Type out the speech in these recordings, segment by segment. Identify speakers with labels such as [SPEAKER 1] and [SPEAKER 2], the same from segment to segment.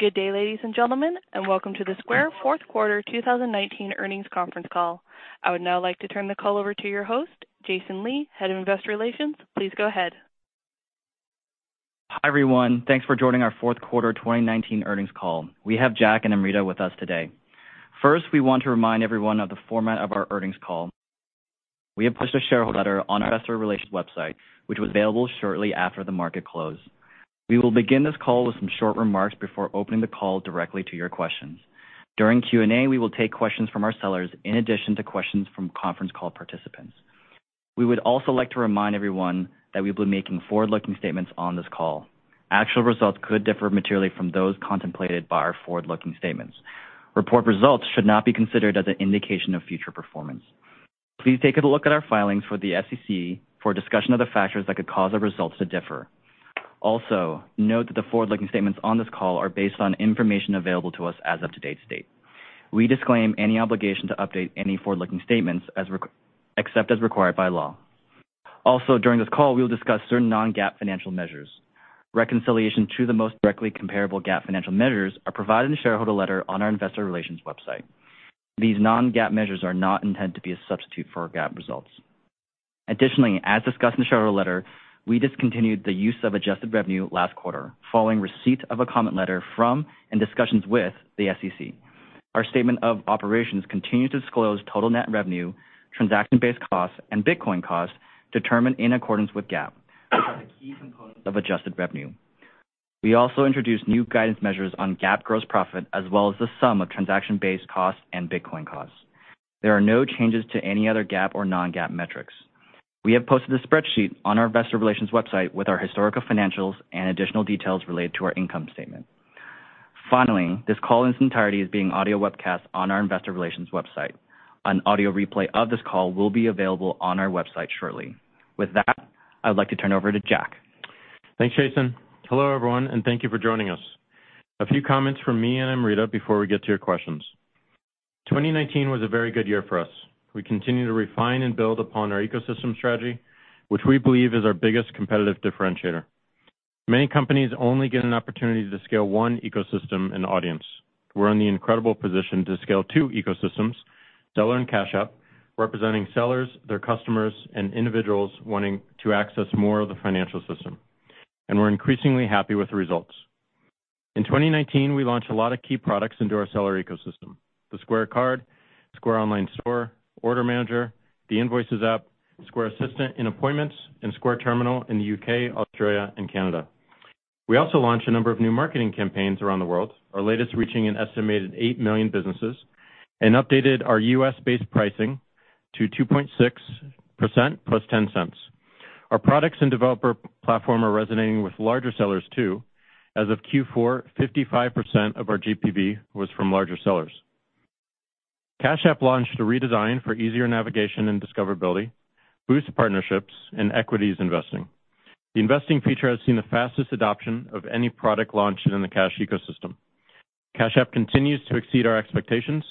[SPEAKER 1] Good day, ladies and gentlemen, and welcome to the Square fourth quarter 2019 earnings conference call. I would now like to turn the call over to your host, Jason Lee, Head of Investor Relations. Please go ahead.
[SPEAKER 2] Hi, everyone. Thanks for joining our fourth quarter 2019 earnings call. We have Jack and Amrita with us today. First, we want to remind everyone of the format of our earnings call. We have pushed a shareholder letter on our Investor Relations website, which was available shortly after the market close. We will begin this call with some short remarks before opening the call directly to your questions. During Q&A, we will take questions from our sellers in addition to questions from conference call participants. We would also like to remind everyone that we'll be making forward-looking statements on this call. Actual results could differ materially from those contemplated by our forward-looking statements. Report results should not be considered as an indication of future performance. Please take a look at our filings for the SEC for a discussion of the factors that could cause our results to differ. Also, note that the forward-looking statements on this call are based on information available to us as of to date state. We disclaim any obligation to update any forward-looking statements except as required by law. Also, during this call, we'll discuss certain non-GAAP financial measures. Reconciliation to the most directly comparable GAAP financial measures are provided in the shareholder letter on our Investor Relations website. These non-GAAP measures are not intended to be a substitute for our GAAP results. Additionally, as discussed in the shareholder letter, we discontinued the use of adjusted revenue last quarter, following receipt of a comment letter from, and discussions with, the SEC. Our statement of operations continues to disclose total net revenue, transaction-based costs, and Bitcoin costs determined in accordance with GAAP, which are the key components of adjusted revenue. We also introduced new guidance measures on GAAP gross profit, as well as the sum of transaction-based costs and Bitcoin costs. There are no changes to any other GAAP or non-GAAP metrics. We have posted a spreadsheet on our Investor Relations website with our historical financials and additional details related to our income statement. Finally, this call in its entirety is being audio webcast on our Investor Relations website. An audio replay of this call will be available on our website shortly. With that, I would like to turn it over to Jack.
[SPEAKER 3] Thanks, Jason. Hello, everyone, and thank you for joining us. A few comments from me and Amrita before we get to your questions. 2019 was a very good year for us. We continue to refine and build upon our ecosystem strategy, which we believe is our biggest competitive differentiator. Many companies only get an opportunity to scale one ecosystem and audience. We're in the incredible position to scale two ecosystems, Seller and Cash App, representing sellers, their customers, and individuals wanting to access more of the financial system. We're increasingly happy with the results. In 2019, we launched a lot of key products into our Seller ecosystem. The Square Card, the Square Online Store, Order Manager, the Invoices app, Square Assistant in Appointments, and Square Terminal in the U.K., Australia, and Canada. We also launched a number of new marketing campaigns around the world, our latest reaching an estimated eight million businesses, and updated our U.S.-based pricing to 2.6% plus $0.10. Our products and developer platform are resonating with larger sellers, too. As of Q4, 55% of our GPV was from larger sellers. Cash App launched a redesign for easier navigation and discoverability, Boost partnerships, and equities Investing. The Investing feature has seen the fastest adoption of any product launched in the Cash ecosystem. Cash App continues to exceed our expectations,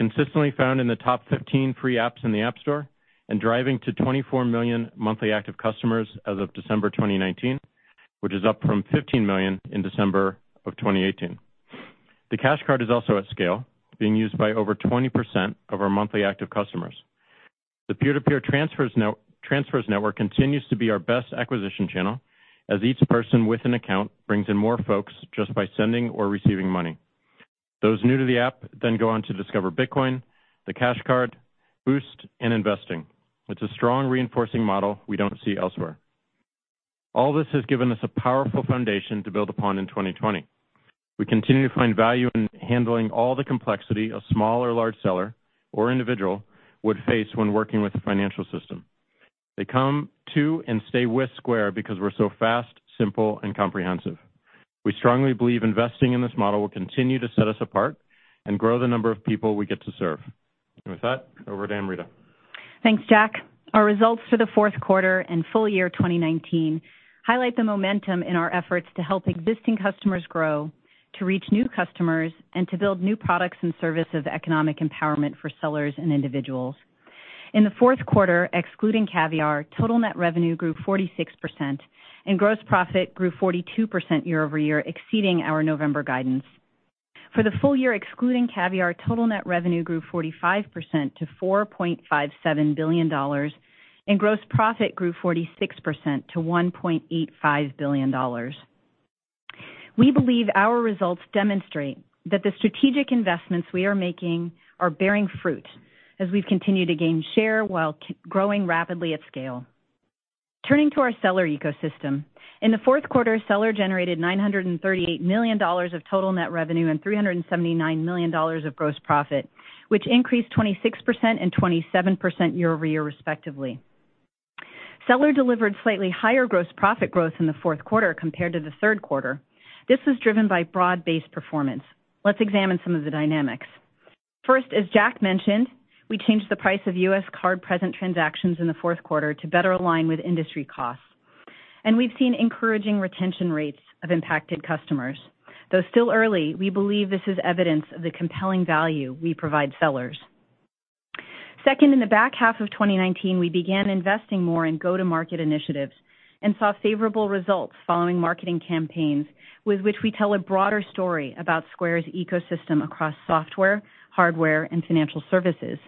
[SPEAKER 3] consistently found in the top 15 free apps in the App Store, and driving to 24 million monthly active customers as of December 2019, which is up from 15 million in December of 2018. The Cash Card is also at scale, being used by over 20% of our monthly active customers. The peer-to-peer transfers network continues to be our best acquisition channel, as each person with an account brings in more folks just by sending or receiving money. Those new to the app go on to discover Bitcoin, the Cash Card, Boost, and Investing. It's a strong reinforcing model we don't see elsewhere. All this has given us a powerful foundation to build upon in 2020. We continue to find value in handling all the complexity a small or large seller or individual would face when working with the financial system. They come to and stay with Square because we're so fast, simple, and comprehensive. We strongly believe investing in this model will continue to set us apart, and grow the number of people we get to serve. With that, over to Amrita.
[SPEAKER 4] Thanks, Jack. Our results for the fourth quarter and full year 2019 highlight the momentum in our efforts to help existing customers grow, to reach new customers, and to build new products and services of economic empowerment for sellers and individuals. In the fourth quarter, excluding Caviar, total net revenue grew 46% and gross profit grew 42% year-over-year, exceeding our November guidance. For the full year, excluding Caviar, total net revenue grew 45% to $4.57 billion, and gross profit grew 46% to $1.85 billion. We believe our results demonstrate that the strategic investments we are making are bearing fruit as we've continued to gain share while growing rapidly at scale. Turning to our Seller ecosystem. In the fourth quarter, Seller generated $938 million of total net revenue and $379 million of gross profit, which increased 26% and 27% year-over-year, respectively. Seller delivered slightly higher gross profit growth in the fourth quarter compared to the third quarter. This was driven by broad-based performance. Let's examine some of the dynamics. First, as Jack mentioned, we changed the price of U.S. card-present transactions in the fourth quarter to better align with industry costs, and we've seen encouraging retention rates of impacted customers. Though still early, we believe this is evidence of the compelling value we provide Sellers. Second, in the back half of 2019, we began investing more in go-to-market initiatives and saw favorable results following marketing campaigns with which we tell a broader story about Square's ecosystem across software, hardware, and financial services.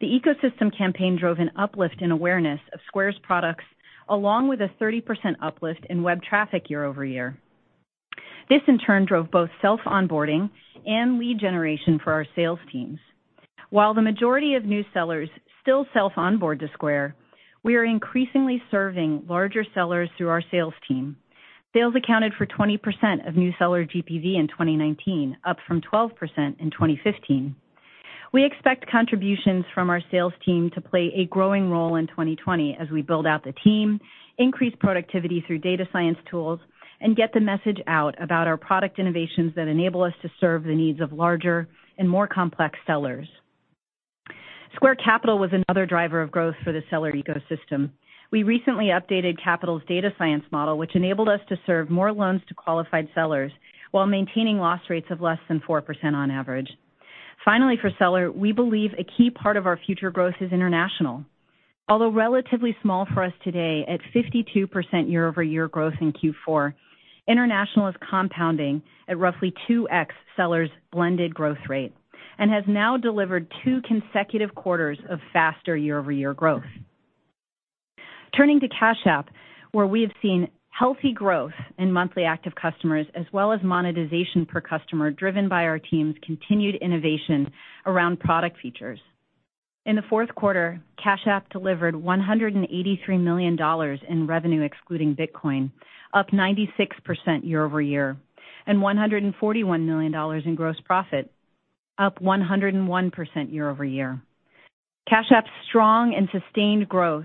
[SPEAKER 4] The ecosystem campaign drove an uplift in awareness of Square's products, along with a 30% uplift in web traffic year-over-year. This, in turn, drove both self-onboarding and lead generation for our sales teams. While the majority of new sellers still self-onboard to Square, we are increasingly serving larger Sellers through our sales team. Sales accounted for 20% of new Seller GPV in 2019, up from 12% in 2015. We expect contributions from our sales team to play a growing role in 2020 as we build out the team, increase productivity through data science tools, and get the message out about our product innovations that enable us to serve the needs of larger and more complex Sellers. Square Capital was another driver of growth for the Seller ecosystem. We recently updated Capital's data science model, which enabled us to serve more loans to qualified Sellers while maintaining loss rates of less than 4% on average. Finally, for Seller, we believe a key part of our future growth is international. Although relatively small for us today at 52% year-over-year growth in Q4, international is compounding at roughly 2x Sellers' blended growth rate and has now delivered two consecutive quarters of faster year-over-year growth. Turning to Cash App, where we have seen healthy growth in monthly active customers as well as monetization per customer, driven by our team's continued innovation around product features. In the fourth quarter, Cash App delivered $183 million in revenue excluding Bitcoin, up 96% year-over-year, and $141 million in gross profit, up 101% year-over-year. Cash App's strong and sustained growth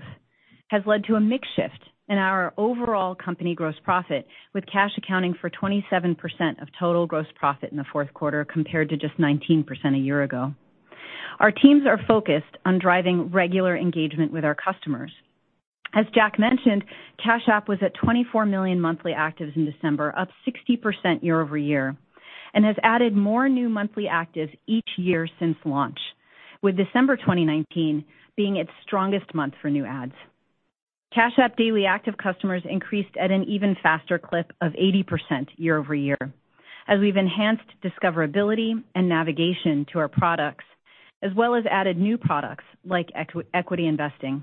[SPEAKER 4] has led to a mix shift in our overall company gross profit, with Cash accounting for 27% of total gross profit in the fourth quarter compared to just 19% a year ago. Our teams are focused on driving regular engagement with our customers. As Jack mentioned, Cash App was at 24 million monthly actives in December, up 60% year-over-year, and has added more new monthly actives each year since launch, with December 2019 being its strongest month for new adds. Cash App daily active customers increased at an even faster clip of 80% year-over-year as we've enhanced discoverability and navigation to our products, as well as added new products like equity Investing.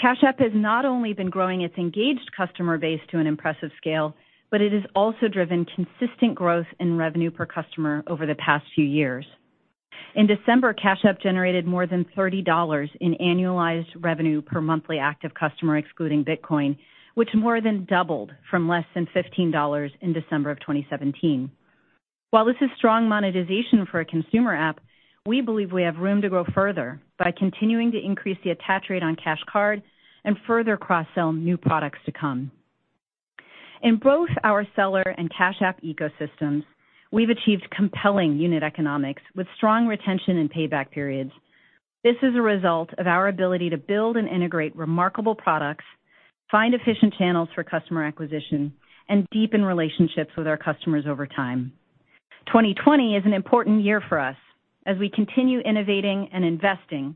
[SPEAKER 4] Cash App has not only been growing its engaged customer base to an impressive scale, but it has also driven consistent growth in revenue per customer over the past few years. In December, Cash App generated more than $30 in annualized revenue per monthly active customer excluding Bitcoin, which more than doubled from less than $15 in December of 2017. While this is strong monetization for a consumer app, we believe we have room to grow further by continuing to increase the attach rate on Cash Card and further cross-sell new products to come. In both our Seller and Cash App ecosystems, we've achieved compelling unit economics with strong retention and payback periods. This is a result of our ability to build and integrate remarkable products, find efficient channels for customer acquisition, and deepen relationships with our customers over time. 2020 is an important year for us as we continue innovating and investing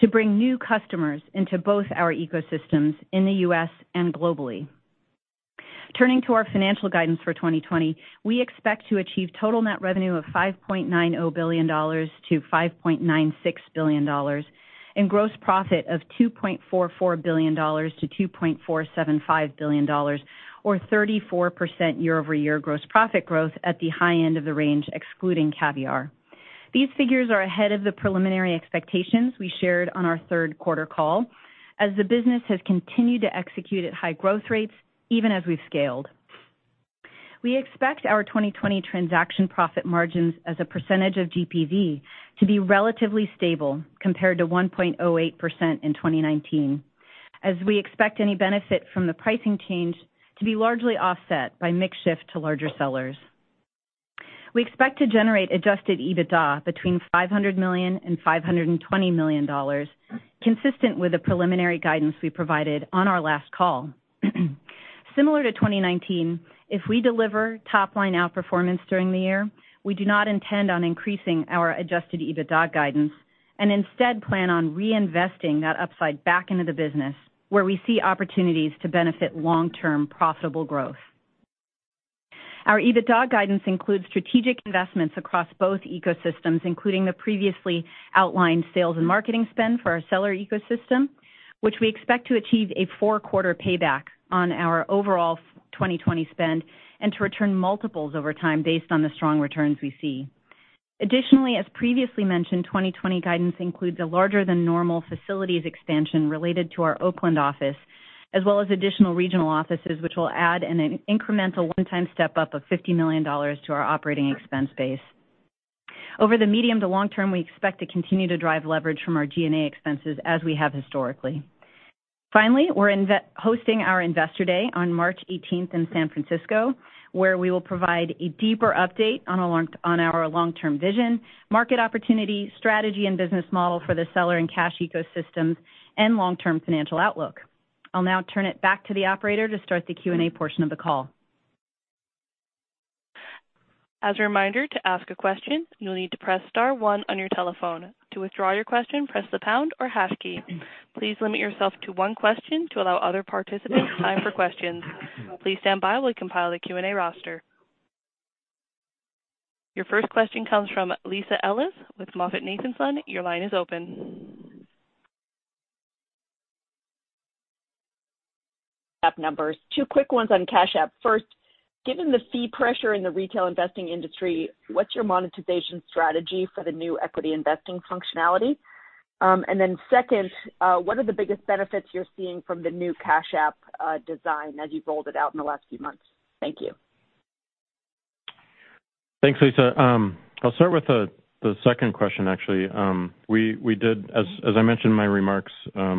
[SPEAKER 4] to bring new customers into both our ecosystems in the U.S. and globally. Turning to our financial guidance for 2020, we expect to achieve total net revenue of $5.90 billion-$5.96 billion and gross profit of $2.44 billion-$2.475 billion, or 34% year-over-year gross profit growth at the high end of the range, excluding Caviar. These figures are ahead of the preliminary expectations we shared on our third quarter call, as the business has continued to execute at high growth rates even as we've scaled. We expect our 2020 transaction profit margins as a percentage of GPV to be relatively stable compared to 1.08% in 2019, as we expect any benefit from the pricing change to be largely offset by mix shift to larger Sellers. We expect to generate Adjusted EBITDA between $500 million-$520 million, consistent with the preliminary guidance we provided on our last call. Similar to 2019, if we deliver top-line outperformance during the year, we do not intend on increasing our Adjusted EBITDA guidance and instead plan on reinvesting that upside back into the business where we see opportunities to benefit long-term profitable growth. Our EBITDA guidance includes strategic investments across both ecosystems, including the previously outlined sales and marketing spend for our Seller ecosystem, which we expect to achieve a four-quarter payback on our overall 2020 spend and to return multiples over time based on the strong returns we see. Additionally, as previously mentioned, 2020 guidance includes a larger than normal facilities expansion related to our Oakland office, as well as additional regional offices, which will add an incremental one-time step-up of $50 million to our operating expense base. Over the medium to long term, we expect to continue to drive leverage from our G&A expenses as we have historically. Finally, we're hosting our Investor Day on March 18th in San Francisco, where we will provide a deeper update on our long-term vision, market opportunity, strategy, and business model for the Seller and Cash ecosystems and long-term financial outlook. I'll now turn it back to the operator to start the Q&A portion of the call.
[SPEAKER 1] As a reminder, to ask a question, you'll need to press star one on your telephone. To withdraw your question, press the pound or hash key. Please limit yourself to one question to allow other participants time for questions. Please stand by while we compile the Q&A roster. Your first question comes from Lisa Ellis with MoffettNathanson. Your line is open.
[SPEAKER 5] App numbers. Two quick ones on Cash App. First, given the fee pressure in the retail Investing industry, what's your monetization strategy for the new equity investing functionality? Second, what are the biggest benefits you're seeing from the new Cash App design as you've rolled it out in the last few months? Thank you.
[SPEAKER 3] Thanks, Lisa. I'll start with the second question, actually. As I mentioned in my remarks, one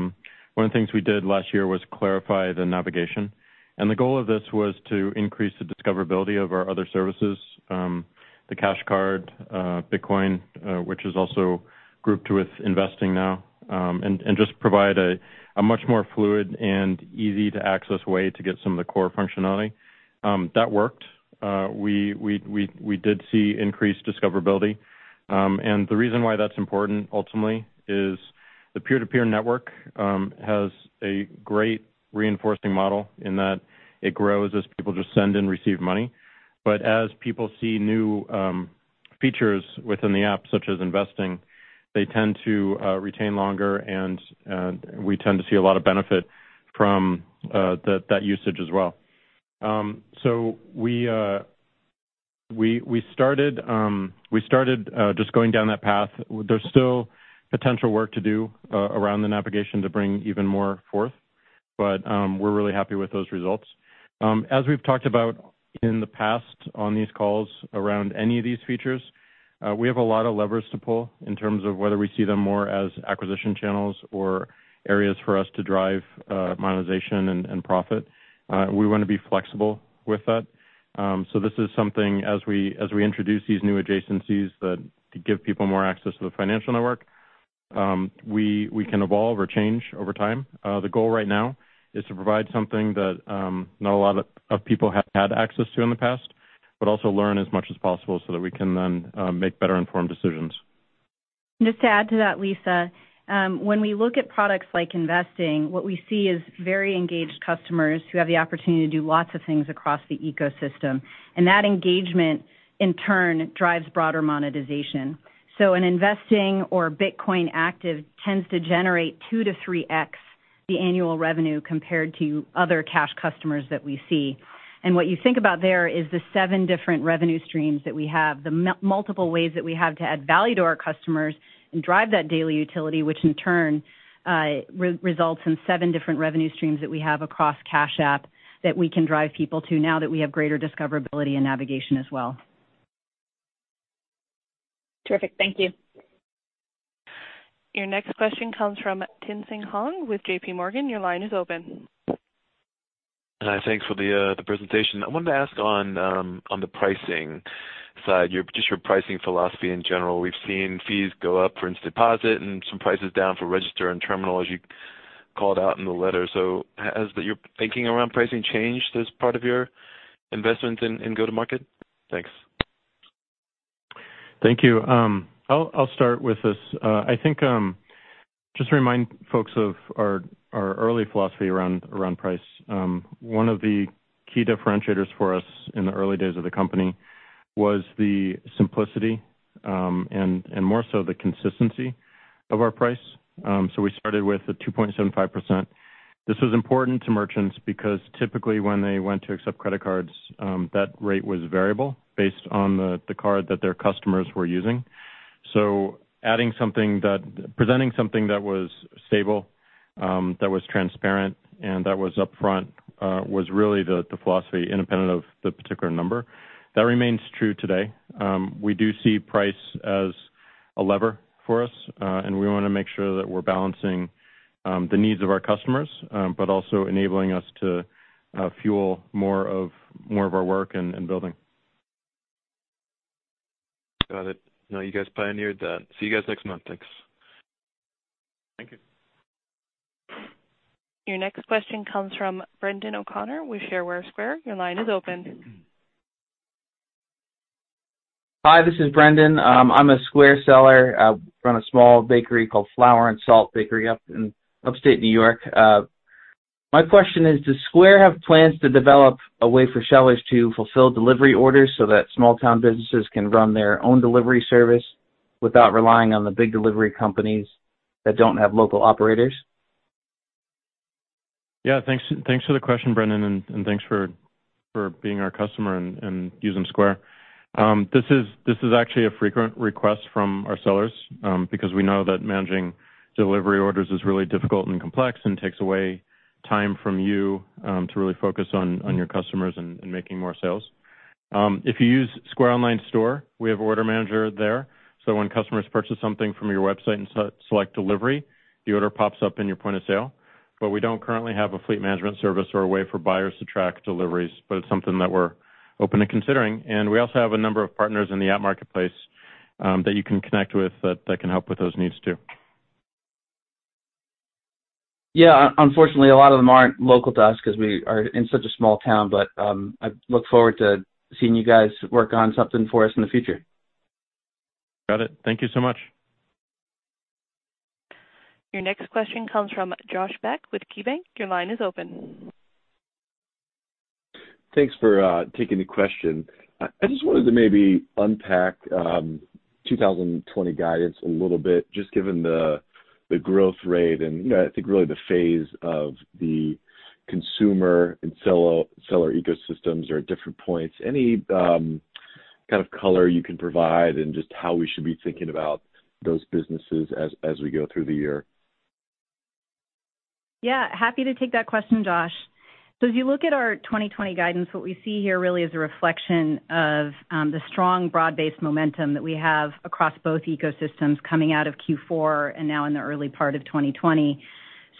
[SPEAKER 3] of the things we did last year was clarify the navigation. The goal of this was to increase the discoverability of our other services, the Cash Card, Bitcoin, which is also grouped with Investing now, just provide a much more fluid and easy-to-access way to get some of the core functionality. That worked. We did see increased discoverability. The reason why that's important, ultimately, is the peer-to-peer network has a great reinforcing model in that it grows as people just send and receive money. As people see new features within the app, such as Investing, they tend to retain longer, and we tend to see a lot of benefit from that usage as well. We started just going down that path. There's still potential work to do around the navigation to bring even more forth, but we're really happy with those results. As we've talked about in the past on these calls around any of these features, we have a lot of levers to pull in terms of whether we see them more as acquisition channels or areas for us to drive monetization and profit. We want to be flexible with that. This is something as we introduce these new adjacencies that give people more access to the financial network, we can evolve or change over time. The goal right now is to provide something that not a lot of people have had access to in the past, but also learn as much as possible so that we can then make better informed decisions.
[SPEAKER 4] Just to add to that, Lisa, when we look at products like Investing, what we see is very engaged customers who have the opportunity to do lots of things across the ecosystem, and that engagement, in turn, drives broader monetization. An Investing or Bitcoin active tends to generate 2-3x the annual revenue compared to other Cash customers that we see. What you think about there is the seven different revenue streams that we have, the multiple ways that we have to add value to our customers and drive that daily utility, which in turn results in seven different revenue streams that we have across Cash App that we can drive people to now that we have greater discoverability and navigation as well.
[SPEAKER 5] Terrific. Thank you.
[SPEAKER 1] Your next question comes from Tien-Tsin Huang with JPMorgan. Your line is open.
[SPEAKER 6] Thanks for the presentation. I wanted to ask on the pricing side, just your pricing philosophy in general. We've seen fees go up for instant deposit and some prices down for Register and Terminal, as you called out in the letter. Has your thinking around pricing changed as part of your investment in go-to market? Thanks.
[SPEAKER 3] Thank you. I'll start with this. I think just to remind folks of our early philosophy around price, one of the key differentiators for us in the early days of the company was the simplicity, and more so the consistency of our price. We started with the 2.75%. This was important to merchants because typically when they went to accept credit cards, that rate was variable based on the card that their customers were using. Presenting something that was stable, that was transparent, and that was upfront was really the philosophy independent of the particular number. That remains true today. We do see price as a lever for us, and we want to make sure that we're balancing the needs of our customers, but also enabling us to fuel more of our work and building.
[SPEAKER 6] Got it. No, you guys pioneered that. See you guys next month. Thanks.
[SPEAKER 3] Thank you.
[SPEAKER 1] Your next question comes from Brendan O'Connor with Shareware Square. Your line is open.
[SPEAKER 7] Hi, this is Brendan. I'm a Square seller. I run a small bakery called Flour + Salt Bakery up in upstate New York. My question is, does Square have plans to develop a way for Sellers to fulfill delivery orders so that small town businesses can run their own delivery service without relying on the big delivery companies that don't have local operators?
[SPEAKER 3] Thanks for the question, Brendan, and thanks for being our customer and using Square. This is actually a frequent request from our Sellers because we know that managing delivery orders is really difficult and complex and takes away time from you to really focus on your customers and making more sales. If you use Square Online, we have Square Order Manager there, so when customers purchase something from your website and select delivery, the order pops up in your Square Point of Sale. We don't currently have a fleet management service or a way for buyers to track deliveries, but it's something that we're open to considering, and we also have a number of partners in the Square App Marketplace that you can connect with that can help with those needs too.
[SPEAKER 7] Yeah, unfortunately, a lot of them aren't local to us because we are in such a small town, but I look forward to seeing you guys work on something for us in the future.
[SPEAKER 3] Got it. Thank you so much.
[SPEAKER 1] Your next question comes from Josh Beck with KeyBanc. Your line is open.
[SPEAKER 8] Thanks for taking the question. I just wanted to maybe unpack 2020 guidance a little bit, just given the growth rate and I think really the phase of the consumer and Seller ecosystems are at different points. Any kind of color you can provide in just how we should be thinking about those businesses as we go through the year?
[SPEAKER 4] Yeah. Happy to take that question, Josh. If you look at our 2020 guidance, what we see here really is a reflection of the strong broad-based momentum that we have across both ecosystems coming out of Q4 and now in the early part of 2020.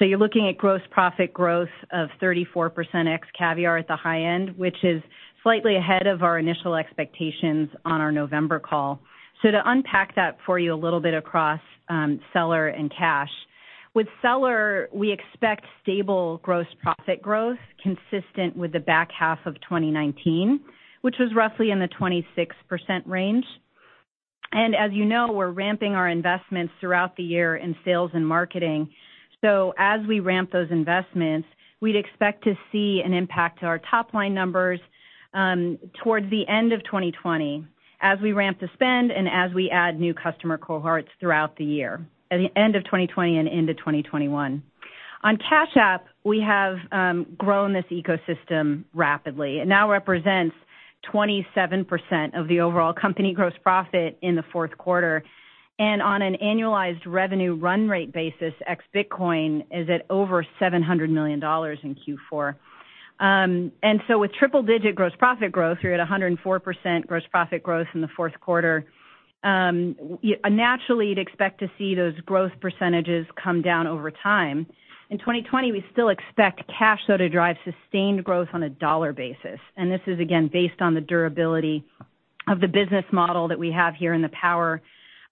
[SPEAKER 4] You're looking at gross profit growth of 34% ex-Caviar at the high end, which is slightly ahead of our initial expectations on our November call. To unpack that for you a little bit across Seller and Cash. With Seller, we expect stable gross profit growth consistent with the back half of 2019, which was roughly in the 26% range. As you know, we're ramping our investments throughout the year in sales and marketing. As we ramp those investments, we'd expect to see an impact to our top-line numbers towards the end of 2020 as we ramp the spend and as we add new customer cohorts throughout the year. At the end of 2020 and into 2021. On Cash App, we have grown this ecosystem rapidly. It now represents 27% of the overall company gross profit in the fourth quarter, and on an annualized revenue run rate basis, ex Bitcoin, is at over $700 million in Q4. With triple-digit gross profit growth, we're at 104% gross profit growth in the fourth quarter. Naturally, you'd expect to see those growth percentages come down over time. In 2020, we still expect Cash, though, to drive sustained growth on a dollar basis, and this is again, based on the durability of the business model that we have here and the power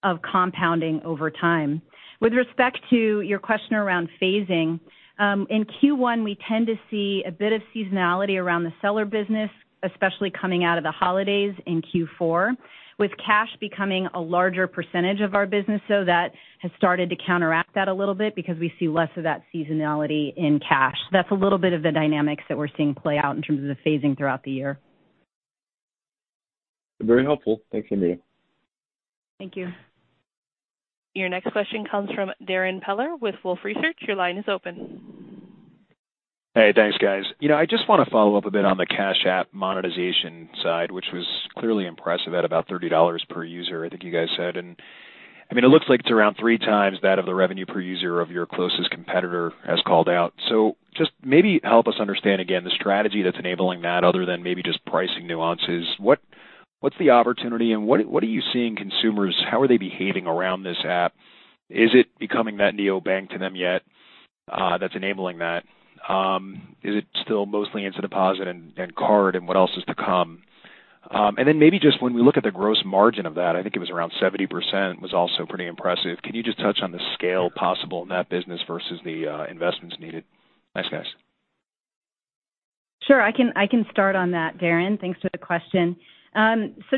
[SPEAKER 4] of compounding over time. With respect to your question around phasing, in Q1, we tend to see a bit of seasonality around the Seller business, especially coming out of the holidays in Q4. With Cash becoming a larger percentage of our business, that has started to counteract that a little bit because we see less of that seasonality in Cash. That's a little bit of the dynamics that we're seeing play out in terms of the phasing throughout the year.
[SPEAKER 8] Very helpful. Thanks, Amrita.
[SPEAKER 4] Thank you.
[SPEAKER 1] Your next question comes from Darrin Peller with Wolfe Research. Your line is open.
[SPEAKER 9] Hey, thanks, guys. I just want to follow up a bit on the Cash App monetization side, which was clearly impressive at about $30 per user, I think you guys said. It looks like it's around three times that of the revenue per user of your closest competitor has called out. Just maybe help us understand, again, the strategy that's enabling that other than maybe just pricing nuances. What's the opportunity and what are you seeing consumers, how are they behaving around this app? Is it becoming that neobank to them yet that's enabling that? Is it still mostly into deposit and card and what else is to come? Maybe just when we look at the gross margin of that, I think it was around 70%, was also pretty impressive. Can you just touch on the scale possible in that business versus the investments needed? Thanks, guys.
[SPEAKER 4] Sure. I can start on that, Darrin. Thanks for the question.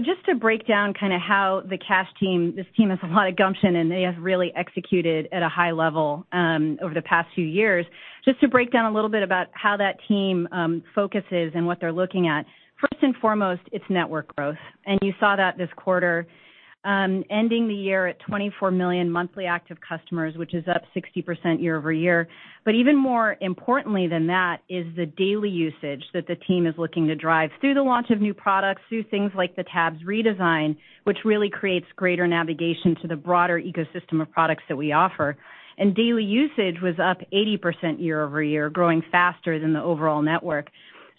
[SPEAKER 4] Just to break down how the Cash team, this team has a lot of gumption, and they have really executed at a high level over the past few years. Just to break down a little bit about how that team focuses and what they're looking at. First and foremost, it's network growth. You saw that this quarter, ending the year at 24 million monthly active customers, which is up 60% year-over-year. Even more importantly than that is the daily usage that the team is looking to drive through the launch of new products, through things like the tabs redesign, which really creates greater navigation to the broader ecosystem of products that we offer. Daily usage was up 80% year-over-year, growing faster than the overall network.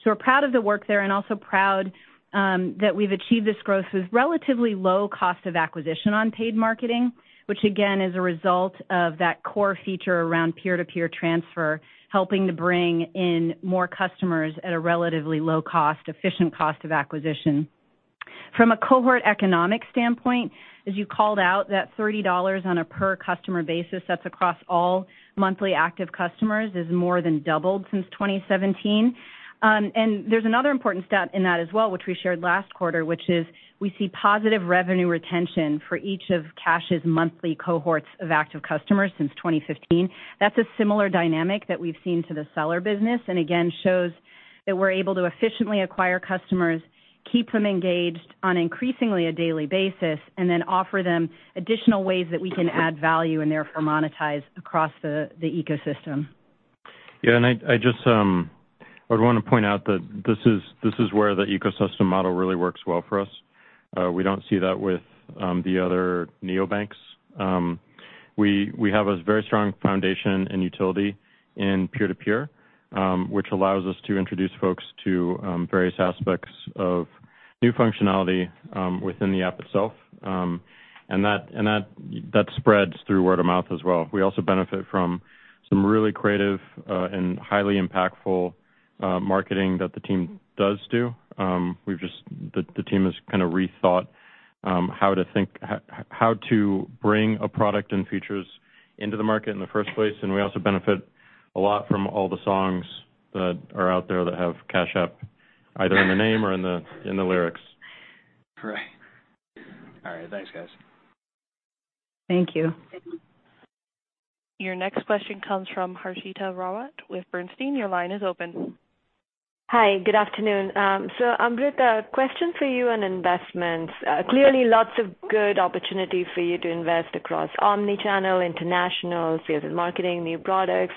[SPEAKER 4] We're proud of the work there and also proud that we've achieved this growth with relatively low cost of acquisition on paid marketing, which again, is a result of that core feature around peer-to-peer transfer, helping to bring in more customers at a relatively low cost, efficient cost of acquisition. From a cohort economic standpoint, as you called out, that $30 on a per customer basis, that's across all monthly active customers, has more than doubled since 2017. There's another important stat in that as well, which we shared last quarter, which is we see positive revenue retention for each of Cash's monthly cohorts of active customers since 2015. That's a similar dynamic that we've seen to the Seller business and again, shows that we're able to efficiently acquire customers, keep them engaged on increasingly a daily basis, and then offer them additional ways that we can add value and therefore monetize across the ecosystem.
[SPEAKER 3] I just would want to point out that this is where the ecosystem model really works well for us. We don't see that with the other neobanks. We have a very strong foundation in utility in peer-to-peer, which allows us to introduce folks to various aspects of new functionality within the app itself. That spreads through word of mouth as well. We also benefit from some really creative and highly impactful marketing that the team does do. The team has rethought how to bring a product and features into the market in the first place, and we also benefit a lot from all the songs that are out there that have Cash App either in the name or in the lyrics.
[SPEAKER 9] Right. All right, thanks, guys.
[SPEAKER 4] Thank you.
[SPEAKER 1] Your next question comes from Harshita Rawat with Bernstein. Your line is open.
[SPEAKER 10] Hi, good afternoon. Amrita, question for you on investments. Clearly lots of good opportunity for you to invest across omni-channel, international, sales and marketing, new products,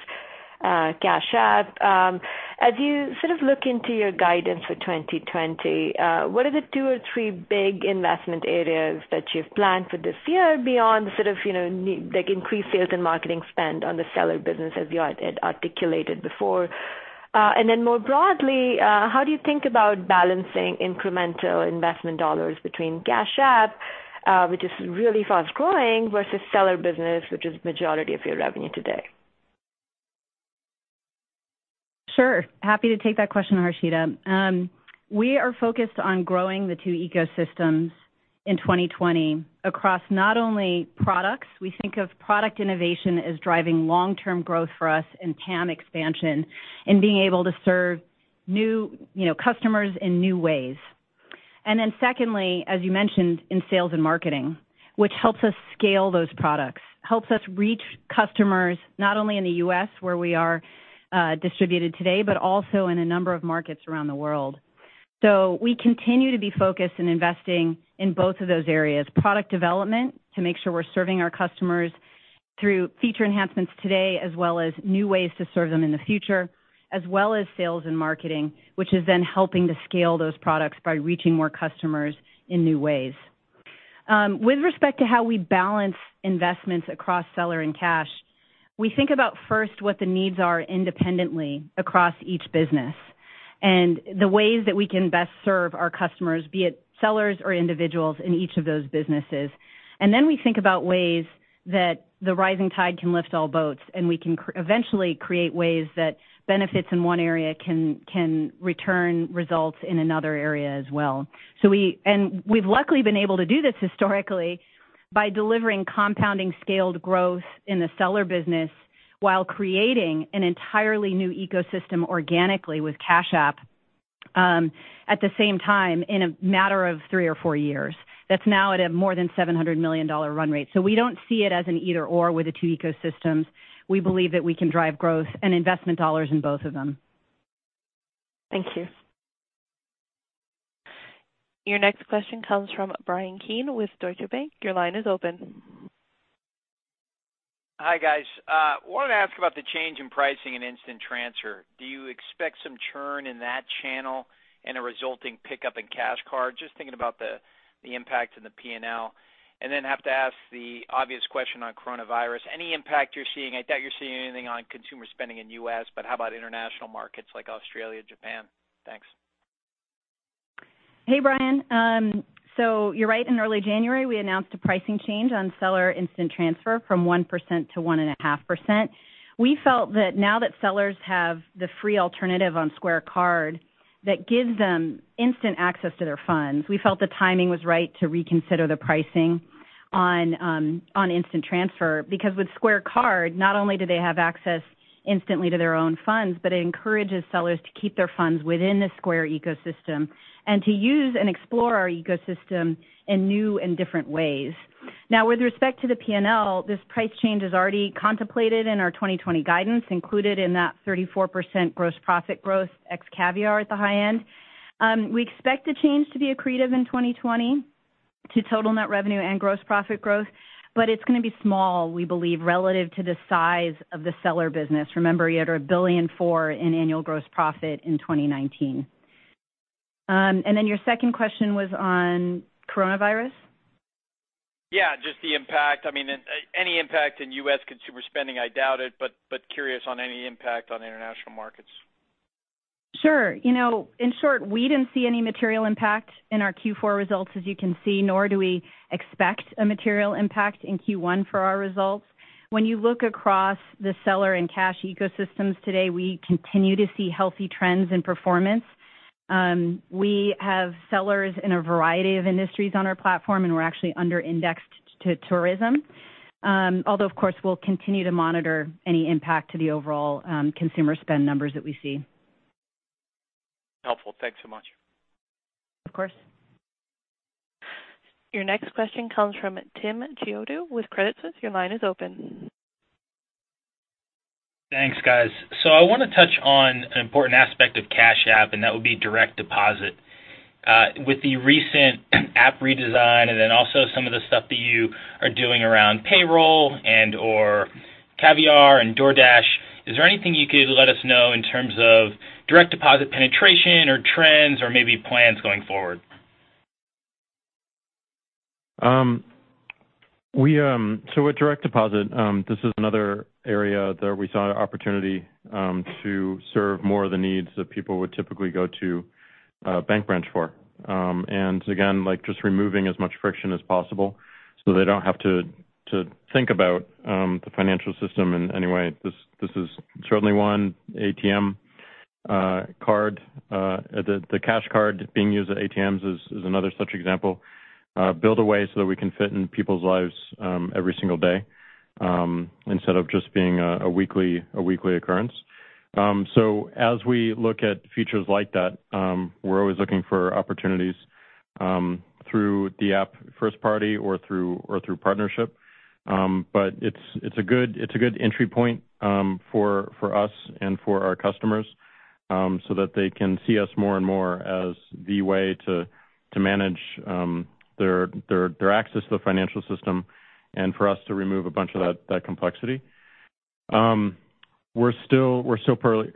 [SPEAKER 10] Cash App. As you look into your guidance for 2020, what are the two or three big investment areas that you've planned for this year beyond increased sales and marketing spend on the Seller business as you had articulated before? More broadly, how do you think about balancing incremental investment dollars between Cash App, which is really fast-growing, versus Seller business, which is majority of your revenue today?
[SPEAKER 4] Sure. Happy to take that question, Harshita. We are focused on growing the two ecosystems in 2020 across not only products, we think of product innovation as driving long-term growth for us and TAM expansion in being able to serve new customers in new ways. Secondly, as you mentioned, in sales and marketing, which helps us scale those products and helps us reach customers not only in the U.S. where we are distributed today, but also in a number of markets around the world. We continue to be focused in investing in both of those areas, product development to make sure we're serving our customers through feature enhancements today, as well as new ways to serve them in the future, as well as sales and marketing, which is then helping to scale those products by reaching more customers in new ways. With respect to how we balance investments across Seller and Cash, we think about first what the needs are independently across each business, and the ways that we can best serve our customers, be it Sellers or individuals in each of those businesses. Then we think about ways that the rising tide can lift all boats, and we can eventually create ways that benefits in one area can return results in another area as well. We've luckily been able to do this historically by delivering compounding scaled growth in the Seller business while creating an entirely new ecosystem organically with Cash App, at the same time, in a matter of three or four years. That's now at a more than $700 million run rate. We don't see it as an either/or with the two ecosystems. We believe that we can drive growth and investment dollars in both of them.
[SPEAKER 10] Thank you.
[SPEAKER 1] Your next question comes from Bryan Keane with Deutsche Bank. Your line is open.
[SPEAKER 11] Hi guys. I wanted to ask about the change in pricing in Instant Transfers. Do you expect some churn in that channel and a resulting pickup in Cash Card? I'm just thinking about the impact in the P&L. I have to ask the obvious question on coronavirus. Any impact you're seeing? I doubt you're seeing anything on consumer spending in the U.S., but how about international markets like Australia, Japan? Thanks.
[SPEAKER 4] Hey, Bryan. You're right, in early January, we announced a pricing change on Seller Instant Transfers from 1% -1.5%. We felt that now that Sellers have the free alternative on Square Card, that gives them instant access to their funds. We felt the timing was right to reconsider the pricing on Instant Transfers, because with Square Card, not only do they have access instantly to their own funds, but it encourages Sellers to keep their funds within the Square ecosystem and to use and explore our ecosystem in new and different ways. With respect to the P&L, this price change is already contemplated in our 2020 guidance included in that 34% gross profit growth ex-Caviar at the high end. We expect the change to be accretive in 2020 to total net revenue and gross profit growth, but it's going to be small, we believe, relative to the size of the Seller business. Remember, you had $1.4 billion in annual gross profit in 2019. Your second question was on coronavirus?
[SPEAKER 11] Yeah, just the impact. Any impact in U.S. consumer spending, I doubt it, but curious on any impact on international markets.
[SPEAKER 4] Sure. In short, we didn't see any material impact in our Q4 results, as you can see, nor do we expect a material impact in Q1 for our results. When you look across the Seller and Cash ecosystems today, we continue to see healthy trends in performance. We have Sellers in a variety of industries on our platform, and we're actually under-indexed to tourism. Although, of course, we'll continue to monitor any impact to the overall consumer spend numbers that we see.
[SPEAKER 11] Helpful. Thanks so much.
[SPEAKER 4] Of course.
[SPEAKER 1] Your next question comes from Tim Chiodo with Credit Suisse. Your line is open.
[SPEAKER 12] Thanks, guys. I want to touch on an important aspect of Cash App, and that would be Direct Deposit. With the recent app redesign and then also some of the stuff that you are doing around payroll and/or Caviar and DoorDash, is there anything you could let us know in terms of direct deposit penetration or trends or maybe plans going forward?
[SPEAKER 3] With Direct Deposit, this is another area that we saw an opportunity to serve more of the needs that people would typically go to a bank branch for. Again, just removing as much friction as possible so they don't have to think about the financial system in any way. This is certainly one ATM card. The Cash Card being used at ATMs is another such example. Build a way that we can fit in people's lives every single day, instead of just being a weekly occurrence. As we look at features like that, we're always looking for opportunities through the app first party or through partnership. It's a good entry point for us and for our customers, so that they can see us more and more as the way to manage their access to the financial system, and for us to remove a bunch of that complexity. We're still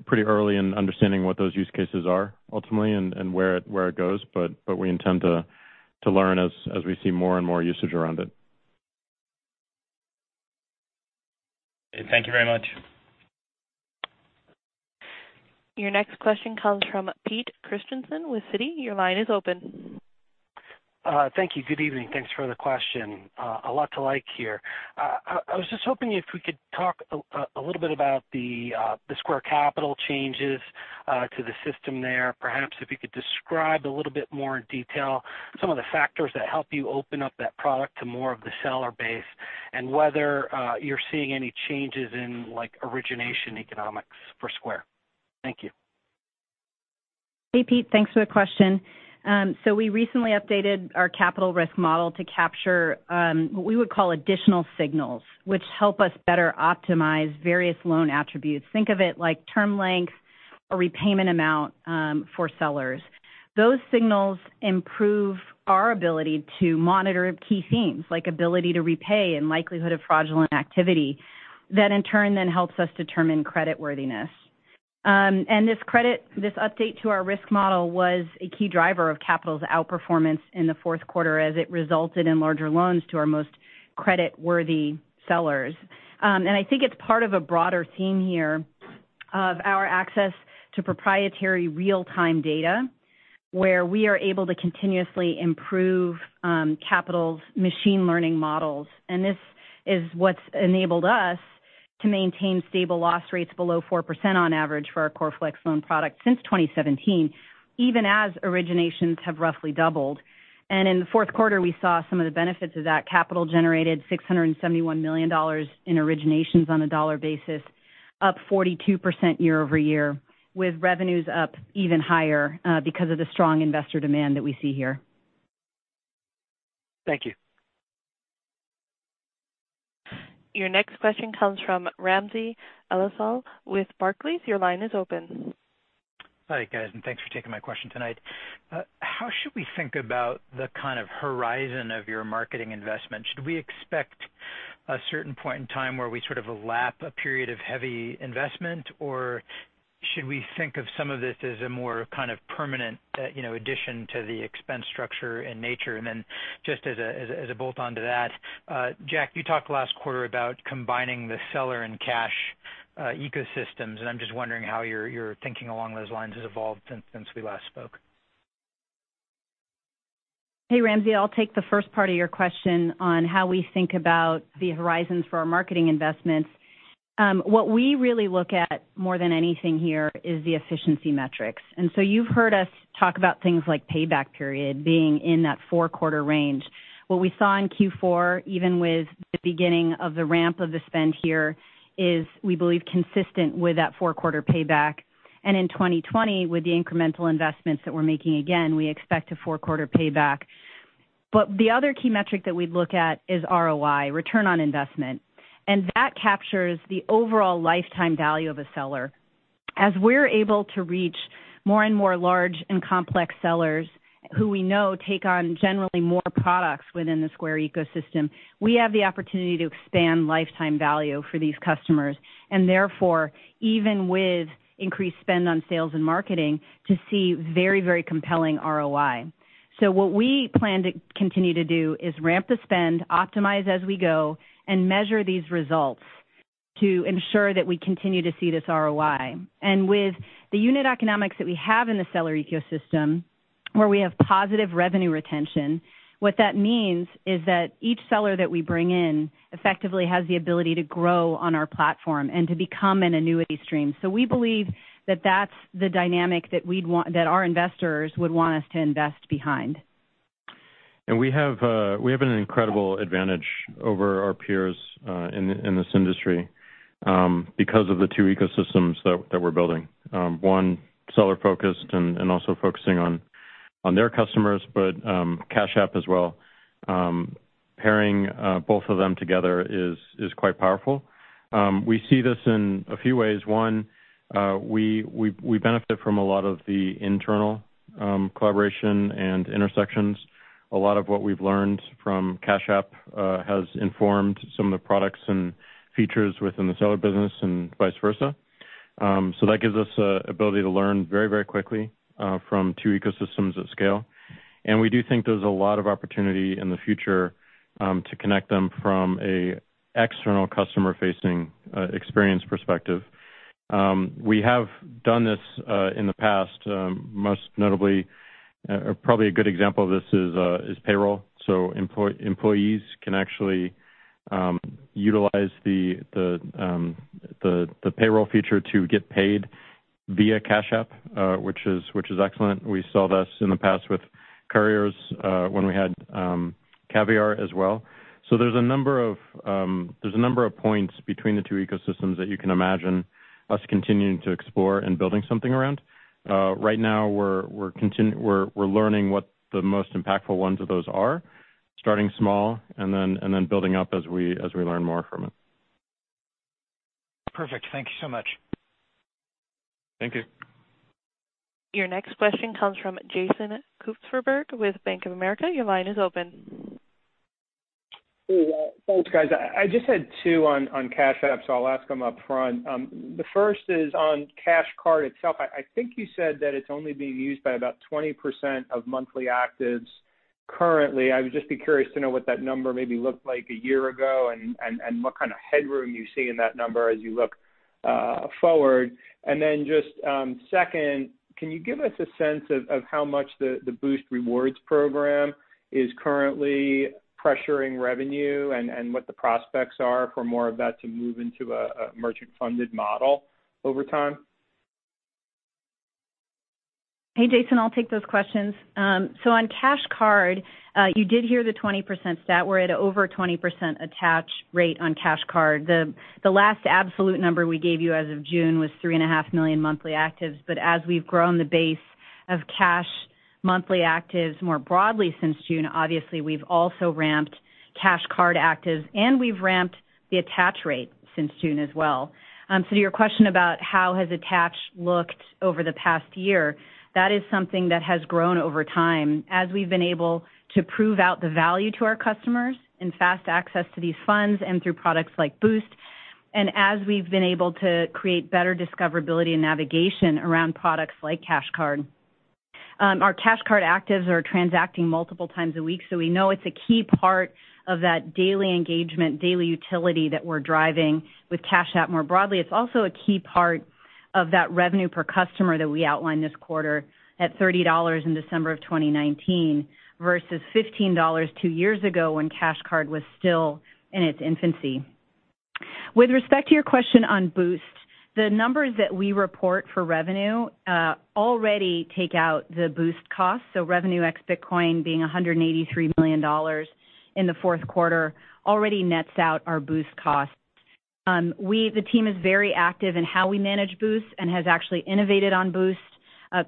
[SPEAKER 3] pretty early in understanding what those use cases are, ultimately, and where it goes. We intend to learn as we see more and more usage around it.
[SPEAKER 12] Thank you very much.
[SPEAKER 1] Your next question comes from Pete Christiansen with Citi. Your line is open.
[SPEAKER 13] Thank you. Good evening. Thanks for the question. A lot to like here. I was just hoping if we could talk a little bit about the Square Capital changes to the system there. Perhaps if you could describe a little bit more in detail some of the factors that help you open up that product to more of the Seller base, and whether you're seeing any changes in origination economics for Square. Thank you.
[SPEAKER 4] Hey, Pete. Thanks for the question. We recently updated our Capital risk model to capture what we would call additional signals, which help us better optimize various loan attributes. Think of it like term length or repayment amount for Sellers. Those signals improve our ability to monitor key themes like ability to repay and likelihood of fraudulent activity. That in turn, helps us determine creditworthiness. This update to our risk model was a key driver of Capital's outperformance in the fourth quarter as it resulted in larger loans to our most credit-worthy Sellers. I think it's part of a broader theme here of our access to proprietary real-time data, where we are able to continuously improve Capital's machine learning models. This is what's enabled us to maintain stable loss rates below 4% on average for our Core Flex Loan product since 2017, even as originations have roughly doubled. In the fourth quarter, we saw some of the benefits of that. Capital generated $671 million in originations on a dollar basis, up 42% year-over-year, with revenues up even higher because of the strong investor demand that we see here.
[SPEAKER 13] Thank you.
[SPEAKER 1] Your next question comes from Ramsey El-Assal with Barclays. Your line is open.
[SPEAKER 14] Hi, guys. Thanks for taking my question tonight. How should we think about the kind of horizon of your marketing investment? Should we expect a certain point in time where we sort of lap a period of heavy investment, or should we think of some of this as a more kind of permanent addition to the expense structure and nature? Just as a bolt-on to that, Jack, you talked last quarter about combining the Seller and Cash ecosystems, and I'm just wondering how your thinking along those lines has evolved since we last spoke?
[SPEAKER 4] Hey, Ramsey. I'll take the first part of your question on how we think about the horizons for our marketing investments. What we really look at more than anything here is the efficiency metrics. You've heard us talk about things like payback period being in that four-quarter range. What we saw in Q4, even with the beginning of the ramp of the spend here, is, we believe, consistent with that four-quarter payback. In 2020, with the incremental investments that we're making, again, we expect a four-quarter payback. The other key metric that we look at is ROI, return on investment. That captures the overall lifetime value of a Seller. As we're able to reach more and more large and complex Sellers who we know take on generally more products within the Square ecosystem, we have the opportunity to expand lifetime value for these customers. Therefore, even with increased spend on sales and marketing, to see very compelling ROI. What we plan to continue to do is ramp the spend, optimize as we go, and measure these results to ensure that we continue to see this ROI. With the unit economics that we have in the Seller ecosystem, where we have positive revenue retention, what that means is that each Seller that we bring in effectively has the ability to grow on our platform and to become an annuity stream. We believe that that's the dynamic that our investors would want us to invest behind.
[SPEAKER 3] We have an incredible advantage over our peers in this industry because of the two ecosystems that we're building. One, Seller-focused and also focusing on their customers, but Cash App as well. Pairing both of them together is quite powerful. We see this in a few ways. One, we benefit from a lot of the internal collaboration and intersections. A lot of what we've learned from Cash App has informed some of the products and features within the Seller business and vice versa. That gives us the ability to learn very quickly from two ecosystems at scale. We do think there's a lot of opportunity in the future to connect them from an external customer-facing experience perspective. We have done this in the past. Most notably, probably a good example of this is payroll. Employees can actually utilize the payroll feature to get paid via Cash App, which is excellent. We saw this in the past with couriers when we had Caviar as well. There's a number of points between the two ecosystems that you can imagine us continuing to explore and building something around. Right now, we're learning what the most impactful ones of those are, starting small and then building up as we learn more from it.
[SPEAKER 14] Perfect. Thank you so much.
[SPEAKER 3] Thank you.
[SPEAKER 1] Your next question comes from Jason Kupferberg with Bank of America. Your line is open.
[SPEAKER 15] Hey. Thanks, guys. I just had two on Cash App. I'll ask them upfront. The first is on Cash Card itself. I think you said that it's only being used by about 20% of monthly actives currently. I would just be curious to know what that number maybe looked like a year ago and what kind of headroom you see in that number as you look forward. Just, second, can you give us a sense of how much the Boost rewards program is currently pressuring revenue and what the prospects are for more of that to move into a merchant-funded model over time?
[SPEAKER 4] Hey, Jason. I'll take those questions. On Cash Card, you did hear the 20% stat. We're at over 20% attach rate on Cash Card. The last absolute number we gave you as of June was 3.5 million monthly actives. As we've grown the base of Cash monthly actives more broadly since June, obviously, we've also ramped Cash Card actives, and we've ramped the attach rate since June as well. To your question about how has attach looked over the past year, that is something that has grown over time as we've been able to prove out the value to our customers in fast access to these funds and through products like Boost, and as we've been able to create better discoverability and navigation around products like Cash Card. Our Cash Card actives are transacting multiple times a week, so we know it's a key part of that daily engagement, daily utility that we're driving with Cash App more broadly. It's also a key part of that revenue per customer that we outlined this quarter at $30 in December of 2019 versus $15 two years ago when Cash Card was still in its infancy. With respect to your question on Boost, the numbers that we report for revenue already take out the Boost cost. Revenue ex Bitcoin being $183 million in the fourth quarter already nets out our Boost cost. The team is very active in how we manage Boost and has actually innovated on Boost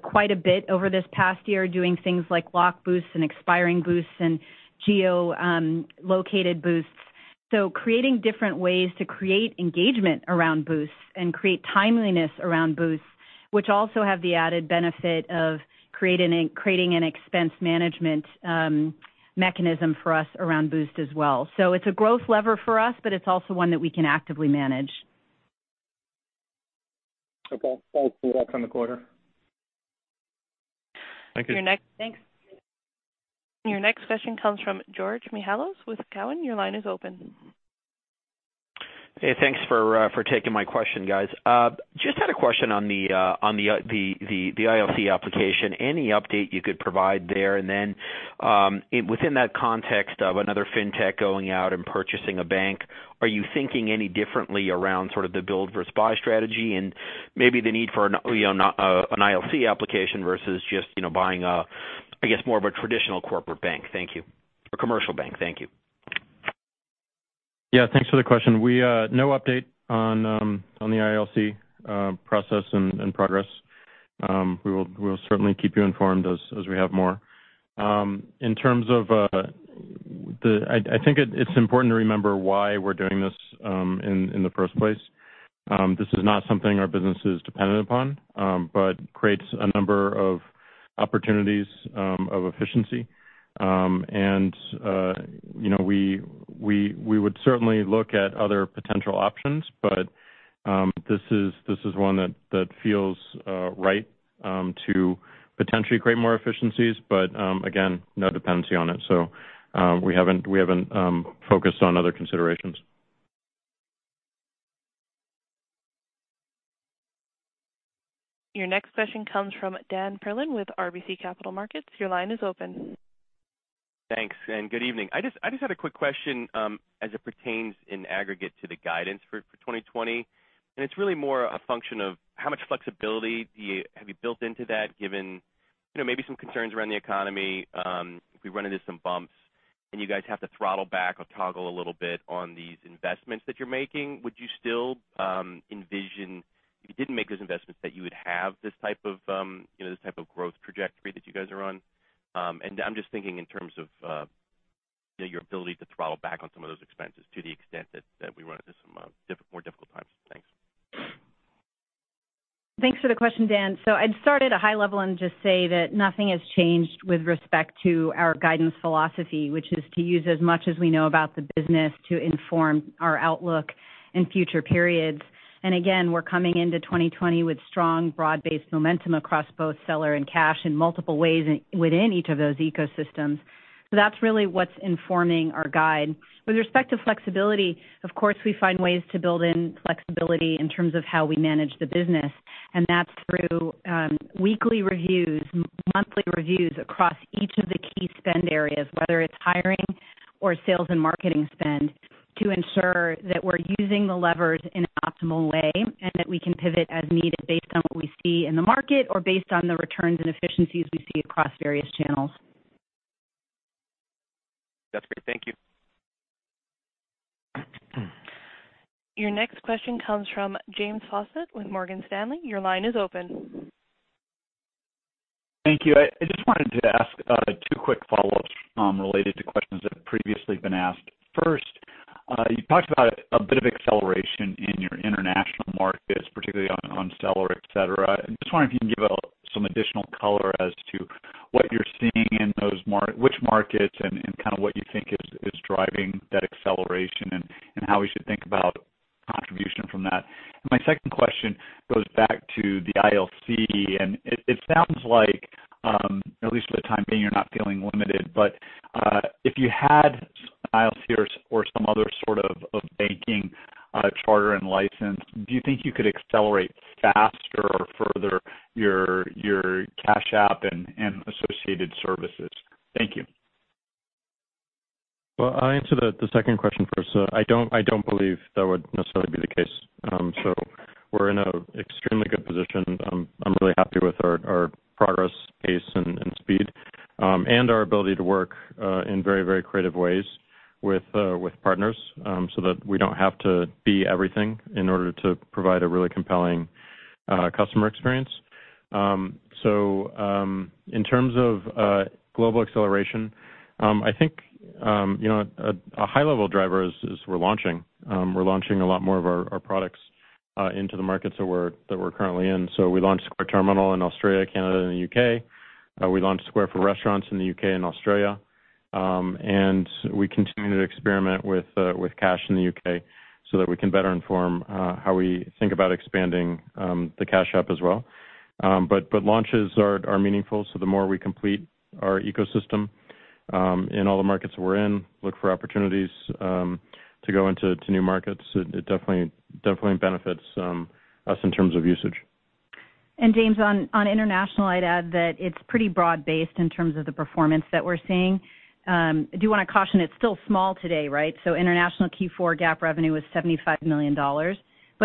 [SPEAKER 4] quite a bit over this past year, doing things like locked Boost and expiring Boost and geo-located Boost. Creating different ways to create engagement around Boost and create timeliness around Boost, which also have the added benefit of creating an expense management mechanism for us around Boost as well. It's a growth lever for us, but it's also one that we can actively manage.
[SPEAKER 15] Okay. Thanks for that. Good luck on the quarter.
[SPEAKER 3] Thank you.
[SPEAKER 1] Your next-
[SPEAKER 4] Thanks.
[SPEAKER 1] Your next question comes from George Mihalos with Cowen. Your line is open.
[SPEAKER 16] Hey, thanks for taking my question, guys. Just had a question on the ILC application. Any update you could provide there? Within that context of another fintech going out and purchasing a bank, are you thinking any differently around sort of the build versus buy strategy and maybe the need for an ILC application versus just buying a, I guess, more of a traditional corporate bank? Thank you. A commercial bank. Thank you.
[SPEAKER 3] Yeah. Thanks for the question. No update on the ILC process and progress. We'll certainly keep you informed as we have more. I think it's important to remember why we're doing this in the first place. This is not something our business is dependent upon but creates a number of opportunities of efficiency. We would certainly look at other potential options, but this is one that feels right to potentially create more efficiencies. Again, no dependency on it. We haven't focused on other considerations.
[SPEAKER 1] Your next question comes from Dan Perlin with RBC Capital Markets. Your line is open.
[SPEAKER 17] Thanks, and good evening. I just had a quick question as it pertains in aggregate to the guidance for 2020, and it's really more a function of how much flexibility have you built into that given maybe some concerns around the economy. If we run into some bumps and you guys have to throttle back or toggle a little bit on these investments that you're making, would you still envision, if you didn't make those investments, that you would have this type of growth trajectory that you guys are on? I'm just thinking in terms of your ability to throttle back on some of those expenses to the extent that we run into some more difficult times. Thanks.
[SPEAKER 4] Thanks for the question, Dan. I'd start at a high level and just say that nothing has changed with respect to our guidance philosophy, which is to use as much as we know about the business to inform our outlook in future periods. Again, we're coming into 2020 with strong, broad-based momentum across both Seller and Cash in multiple ways within each of those ecosystems. That's really what's informing our guide. With respect to flexibility, of course, we find ways to build in flexibility in terms of how we manage the business, and that's through weekly reviews, monthly reviews across each of the key spend areas, whether it's hiring or sales and marketing spend, to ensure that we're using the levers in an optimal way, and that we can pivot as needed based on what we see in the market or based on the returns and efficiencies we see across various channels.
[SPEAKER 17] That's great. Thank you.
[SPEAKER 1] Your next question comes from James Faucette with Morgan Stanley. Your line is open.
[SPEAKER 18] Thank you. I just wanted to ask two quick follow-ups related to questions that have previously been asked. First, you talked about a bit of acceleration in your international markets, particularly on Seller, et cetera. I'm just wondering if you can give some additional color as to what you're seeing in those markets, which markets, and kind of what you think is driving that acceleration, and how we should think about contribution from that. My second question goes back to the ILC. It sounds like, at least for the time being, you're not feeling limited. If you had ILC or some other sort of banking charter and license, do you think you could accelerate faster or further your Cash App and associated services? Thank you.
[SPEAKER 3] Well, I'll answer the second question first. I don't believe that would necessarily be the case. We're in a extremely good position. I'm really happy with our progress, pace and speed, and our ability to work in very creative ways with partners, so that we don't have to be everything in order to provide a really compelling customer experience. In terms of global acceleration, I think a high level driver is we're launching. We're launching a lot more of our products into the markets that we're currently in. We launched Square Terminal in Australia, Canada, and the U.K. We launched Square for Restaurants in the U.K. and Australia. We continue to experiment with Cash in the U.K., so that we can better inform how we think about expanding the Cash App as well. Launches are meaningful, so the more we complete our ecosystem in all the markets that we're in, look for opportunities to go into new markets, it definitely benefits us in terms of usage.
[SPEAKER 4] James, on international, I'd add that it's pretty broad-based in terms of the performance that we're seeing. I do want to caution it's still small today, right? International Q4 GAAP revenue was $75 million.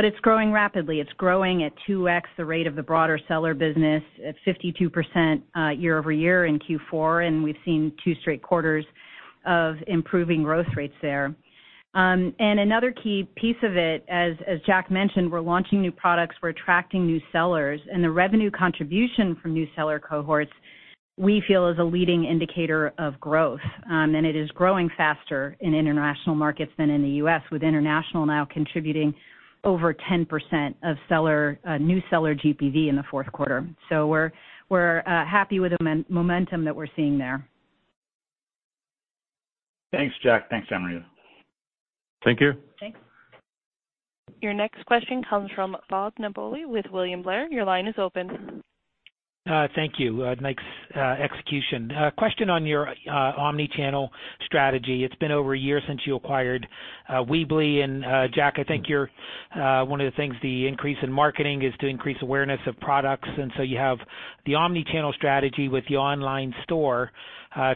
[SPEAKER 4] It's growing rapidly. It's growing at 2X the rate of the broader Seller business at 52% year-over-year in Q4, and we've seen two straight quarters of improving growth rates there. Another key piece of it, as Jack mentioned, we're launching new products, we're attracting new Sellers, and the revenue contribution from new Seller cohorts, we feel is a leading indicator of growth. It is growing faster in international markets than in the U.S., with international now contributing over 10% of new Seller GPV in the fourth quarter. We're happy with the momentum that we're seeing there.
[SPEAKER 18] Thanks, Jack. Thanks, Amrita.
[SPEAKER 3] Thank you.
[SPEAKER 4] Thanks.
[SPEAKER 1] Your next question comes from Bob Napoli with William Blair. Your line is open.
[SPEAKER 19] Thank you. Nice execution. Question on your omnichannel strategy. It's been over a year since you acquired Weebly, and Jack, I think one of the things, the increase in marketing is to increase awareness of products, and so you have the omnichannel strategy with the online store,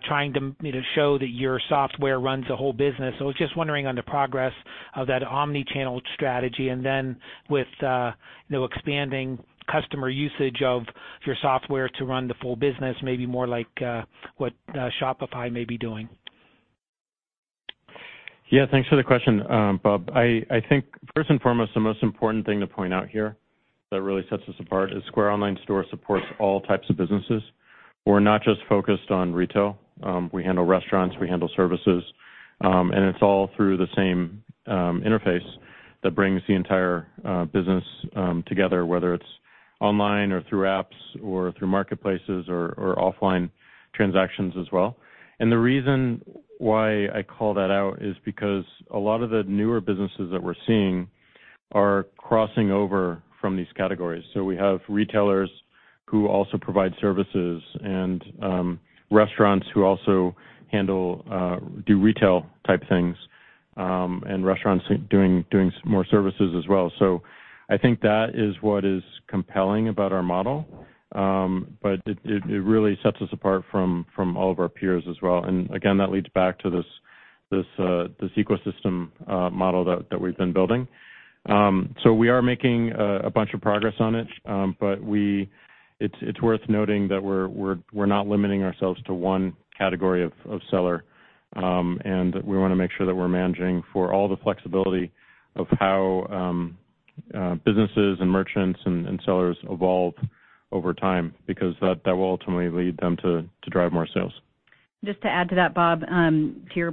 [SPEAKER 19] trying to show that your software runs a whole business. I was just wondering on the progress of that omnichannel strategy and then with expanding customer usage of your software to run the full business, maybe more like what Shopify may be doing.
[SPEAKER 3] Yeah, thanks for the question, Bob. I think first and foremost, the most important thing to point out here that really sets us apart is Square Online Store supports all types of businesses. We're not just focused on retail. We handle restaurants, we handle services. It's all through the same interface that brings the entire business together, whether it's online or through apps or through marketplaces or offline transactions as well. The reason why I call that out is because a lot of the newer businesses that we're seeing are crossing over from these categories. We have retailers who also provide services and restaurants who also do retail type things, and restaurants doing more services as well. I think that is what is compelling about our model. It really sets us apart from all of our peers as well, and again, that leads back to this ecosystem model that we've been building. We are making a bunch of progress on it. It's worth noting that we're not limiting ourselves to one category of Seller. We want to make sure that we're managing for all the flexibility of how businesses and merchants and Sellers evolve over time, because that will ultimately lead them to drive more sales.
[SPEAKER 4] Just to add to that, Bob, to your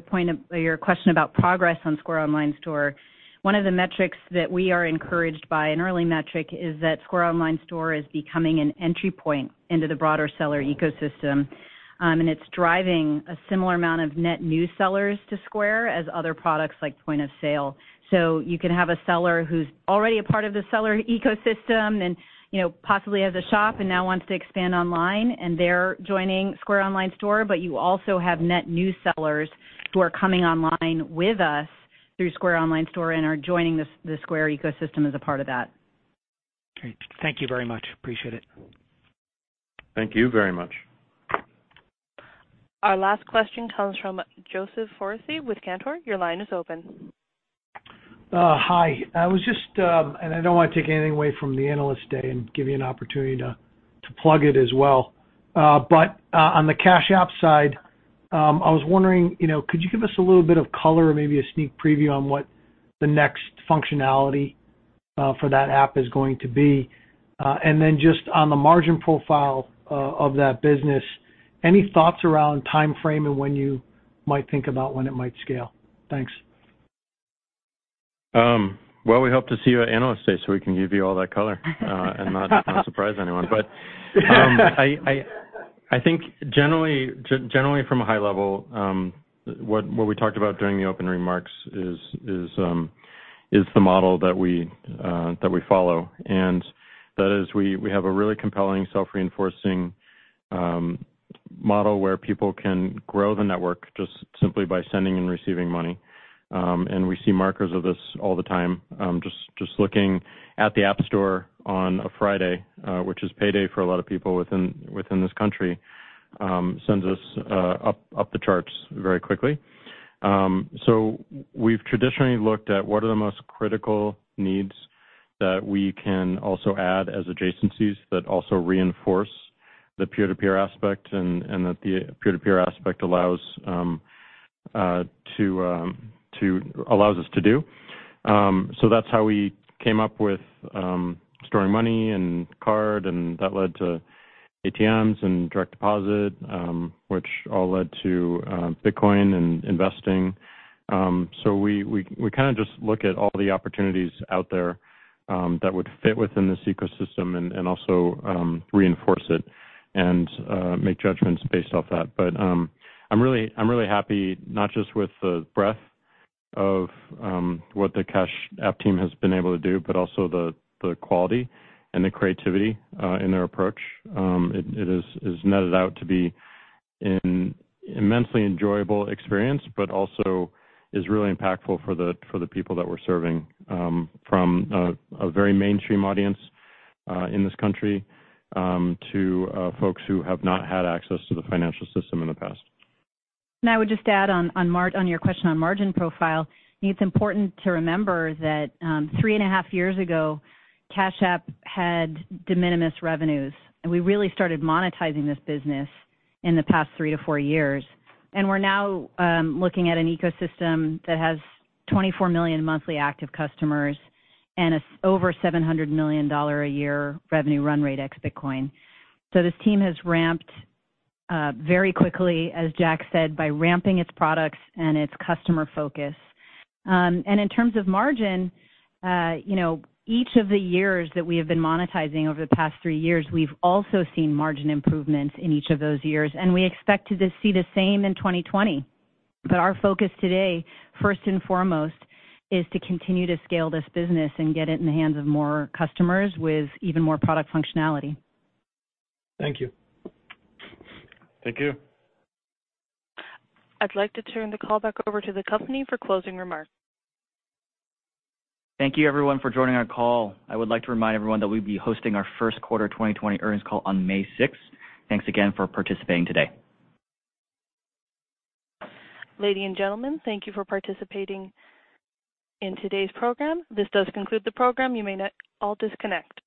[SPEAKER 4] question about progress on Square Online Store, one of the metrics that we are encouraged by, an early metric, is that Square Online Store is becoming an entry point into the broader Seller ecosystem, and it's driving a similar amount of net new Sellers to Square as other products like Point of Sale. You can have a Seller who's already a part of the Seller ecosystem and possibly has a shop and now wants to expand online, and they're joining Square Online Store, but you also have net new sellers who are coming online with us through Square Online Store and are joining the Square ecosystem as a part of that.
[SPEAKER 19] Great. Thank you very much. Appreciate it.
[SPEAKER 3] Thank you very much.
[SPEAKER 1] Our last question comes from Joseph Foresi with Cantor. Your line is open.
[SPEAKER 20] Hi. I don't want to take anything away from the Analyst Day and give you an opportunity to plug it as well. On the Cash App side, I was wondering, could you give us a little bit of color or maybe a sneak preview on what the next functionality for that app is going to be? Just on the margin profile of that business, any thoughts around timeframe and when you might think about when it might scale? Thanks.
[SPEAKER 3] We hope to see you at Analyst Day so we can give you all that color and not surprise anyone. I think generally from a high level, what we talked about during the opening remarks is the model that we follow, and that is we have a really compelling self-reinforcing model where people can grow the network just simply by sending and receiving money. We see markers of this all the time. Just looking at the App Store on a Friday, which is payday for a lot of people within this country, sends us up the charts very quickly. We've traditionally looked at what are the most critical needs that we can also add as adjacencies that also reinforce the peer-to-peer aspect and that the peer-to-peer aspect allows us to do. That's how we came up with storing money and card, and that led to ATMs and direct deposit, which all led to Bitcoin and Investing. We kind of just look at all the opportunities out there that would fit within this ecosystem and also reinforce it and make judgments based off that. I'm really happy not just with the breadth of what the Cash App team has been able to do, but also the quality and the creativity in their approach. It has netted out to be an immensely enjoyable experience, but also is really impactful for the people that we're serving, from a very mainstream audience in this country to folks who have not had access to the financial system in the past.
[SPEAKER 4] I would just add on your question on margin profile, it's important to remember that three and a half years ago, Cash App had de minimis revenues, we really started monetizing this business in the past three to four years. We're now looking at an ecosystem that has 24 million monthly active customers and over $700 million a year revenue run rate ex Bitcoin. This team has ramped very quickly, as Jack said, by ramping its products and its customer focus. In terms of margin, each of the years that we have been monetizing over the past three years, we've also seen margin improvements in each of those years, and we expect to see the same in 2020. Our focus today, first and foremost, is to continue to scale this business and get it in the hands of more customers with even more product functionality.
[SPEAKER 20] Thank you.
[SPEAKER 3] Thank you.
[SPEAKER 1] I'd like to turn the call back over to the company for closing remarks.
[SPEAKER 2] Thank you everyone for joining our call. I would like to remind everyone that we'll be hosting our first quarter 2020 earnings call on May 6th. Thanks again for participating today.
[SPEAKER 1] Lady and gentlemen, thank you for participating in today's program. This does conclude the program. You may all disconnect.